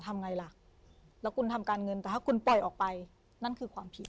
ทำไงล่ะแล้วคุณทำการเงินแต่ถ้าคุณปล่อยออกไปนั่นคือความผิด